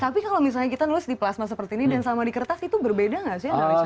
tapi kalau misalnya kita nulis di plasma seperti ini dan sama di kertas itu berbeda nggak sih nulisnya